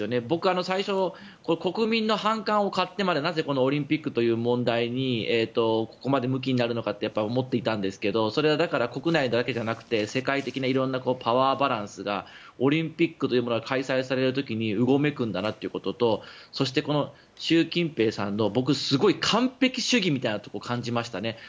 僕、最初の国民の反感を買ってまでなぜこのオリンピックという問題にここまでむきになるのかと思っていたんですけどそれは、国内だけじゃなくて世界的な色んなパワーバランスがオリンピックというものが開催される時にうごめくんだなということとそして、習近平さんの僕、すごい完璧主義みたいなところを感じましたね。